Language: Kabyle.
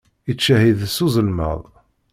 Ittcehhid s uzelmaḍ.